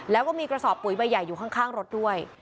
แล้วก็มีกระสอบปุ๋ยใบใหญ่อยู่ข้างรถด้วย